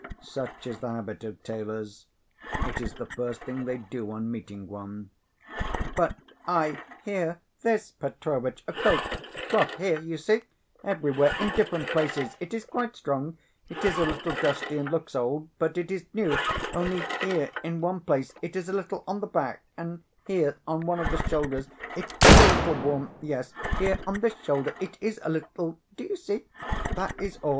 Such is the habit of tailors; it is the first thing they do on meeting one. "But I, here, this Petrovitch a cloak, cloth here you see, everywhere, in different places, it is quite strong it is a little dusty, and looks old, but it is new, only here in one place it is a little on the back, and here on one of the shoulders, it is a little worn, yes, here on this shoulder it is a little do you see? that is all.